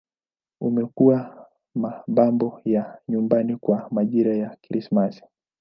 Umekuwa mapambo ya nyumbani kwa majira ya Krismasi.